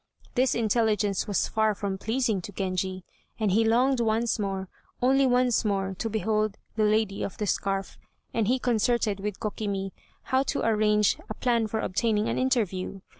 This intelligence was far from pleasing to Genji, and he longed once more, only once more to behold the lady of the scarf, and he concerted with Kokimi how to arrange a plan for obtaining an interview.